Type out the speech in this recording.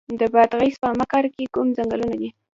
د بادغیس په مقر کې کوم ځنګلونه دي؟